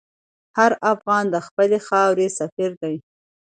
هر افغان د خپلې خاورې سفیر دی.